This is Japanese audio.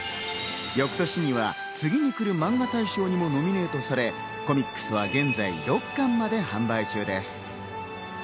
翌年には次にくるマンガ大賞にもノミネートされ、コミックスは現在６巻まで販売中です。